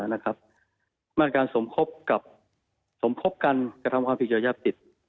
สวมพบกันกับสมโคปความผิดเจริญญาติด